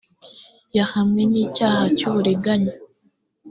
yahamwe n icyaha cy uburiganya